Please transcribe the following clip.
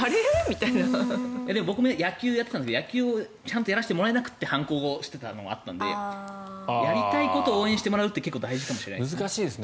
僕も野球やっていたんですが野球をちゃんとやらせてもらえなくて反抗していたところもあったのでやりたいことを応援してもらうって結構大事かもしれないです。